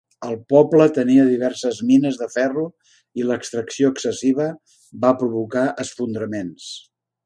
El poble tenia diverses mines de ferro i l'extracció excessiva va provocar esfondraments.